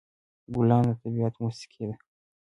ګلان د طبیعت موسيقي ده.